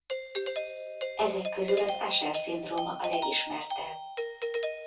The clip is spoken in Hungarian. Ezek közül az Usher-szindróma a legismertebb.